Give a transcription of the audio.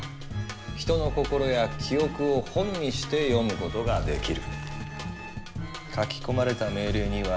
人の心や記憶を「本」にして読むことができる。